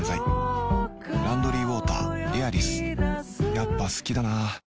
やっぱ好きだな